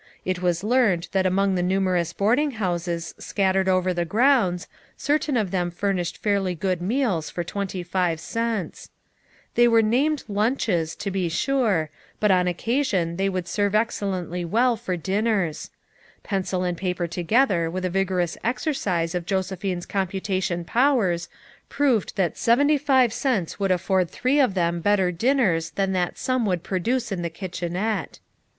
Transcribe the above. It was learned that among the numer ous boarding houses scattered over the grounds, certain of them furnished fairly good meals for twentv five cents. Thev were named lunches, to be sure, but on occasion they would serve ex FOUE MOTHERS AT CHAUTAUQUA 111 cellently well for dinners. Pencil and paper to gether with a vigorous exercise of Josephine's computation powers proved that seventy five cents would afford three of them better din ners than that sum would produce in the kitchenette.